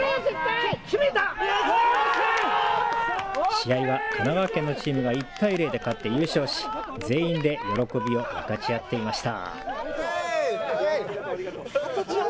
試合は神奈川県のチームが１対０で勝って優勝し全員で喜びを分かち合っていました。